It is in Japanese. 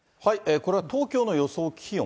これは東京の予想気温。